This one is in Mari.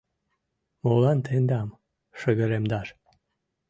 — Молан тендам шыгыремдаш...